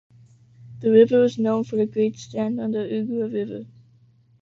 The river is known for the Great stand on the Ugra River.